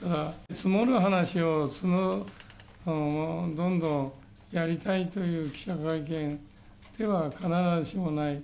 積もる話をどんどんやりたいという記者会見では、必ずしもない。